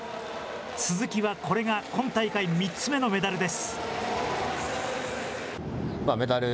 鈴木はこれが今大会３つ目のメダルです。